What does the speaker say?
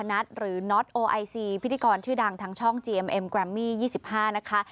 มากมาก